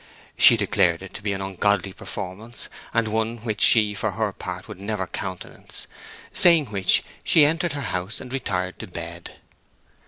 She declared it to be an ungodly performance, and one which she for her part would never countenance; saying which, she entered her house and retired to bed.